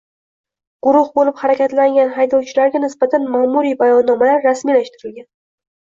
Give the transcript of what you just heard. Guruh bo‘lib harakatlangan haydovchilarga nisbatan ma’muriy bayonnomalar rasmiylashtirilgan